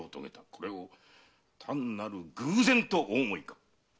これをたんなる偶然とお思いか？